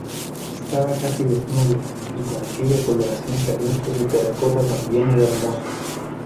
estaba casi desnudo, y con aquella coloración caliente de terracota también era hermoso.